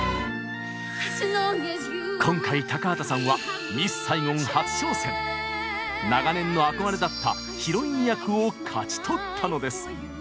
今回高畑さんは長年の憧れだったヒロイン役を勝ち取ったのです！